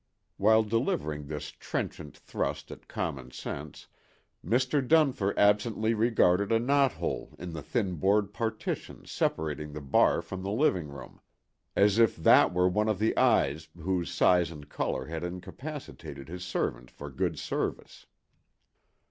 While delivering this trenchant thrust at common sense Mr. Dunfer absently regarded a knot hole in the thin board partition separating the bar from the living room, as if that were one of the eyes whose size and color had incapacitated his servant for good service.